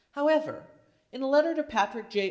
However, in a letter to Patrick J.